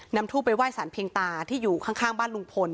ทูบไปไห้สารเพียงตาที่อยู่ข้างบ้านลุงพล